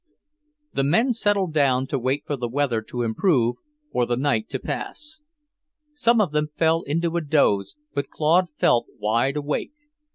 The men settled down to wait for the weather to improve or the night to pass. Some of them fell into a doze, but Claude felt wide awake.